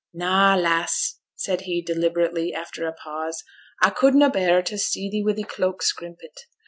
'Na, lass,' said he, deliberately, after a pause. 'A could na' bear to see thee wi' thy cloak scrimpit.